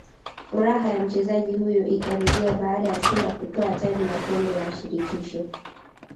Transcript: furaha ya mchezaji huyo ikarejea baada ya Simba kutwaa taji la Kombela Shirikisho